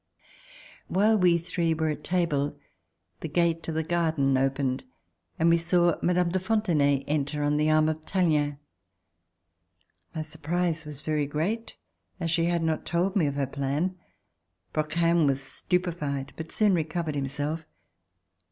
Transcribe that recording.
While we three were at the table the gate of the garden opened and we saw Mme. de Fontenay enter on the arm of Tallien. My surprise was very great as she had not told me of her plan. Brouquens was stupified but soon recovered himself.